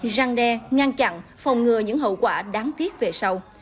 răng đe ngăn chặn phòng ngừa những hậu quả đáng tiếc về sau